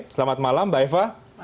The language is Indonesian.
selamat malam mbak eva